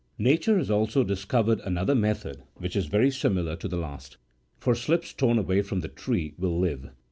Nature has also discovered another method, which is very similar to the last— for slips torn away from the tree will live.